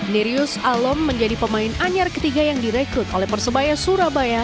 nerius alom menjadi pemain anyar ketiga yang direkrut oleh persebaya surabaya